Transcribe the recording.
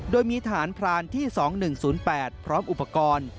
โดยมีทหารพรานที่๒๑๐๘พร้อมอุปกรณ์